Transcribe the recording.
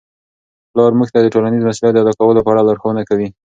پلار موږ ته د ټولنیز مسؤلیت د ادا کولو په اړه لارښوونه کوي.